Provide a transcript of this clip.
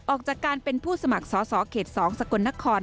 ออกจากการเป็นผู้สมัครสข๒สกนคร